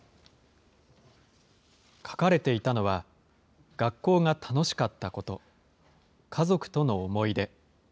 書かれていたのは、学校が楽しかったこと、家族との思い出。